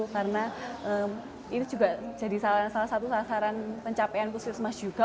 karena ini juga jadi salah satu sasaran pencapaian puskesmas juga